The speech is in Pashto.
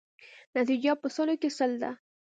نتیجه په سلو کې سل ده.